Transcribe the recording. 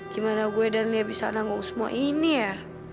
gimana gue dan dia bisa nanggung semua ini ya